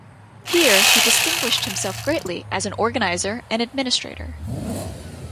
Here he distinguished himself greatly as an organizer and administrator.